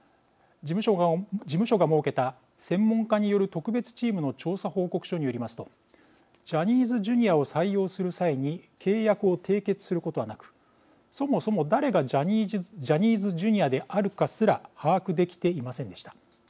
事務所が設けた専門家による特別チームの調査報告書によりますとジャニーズＪｒ．を採用する際に契約を締結することはなくそもそも誰がジャニーズＪｒ．であるかすら把握できていませんでした。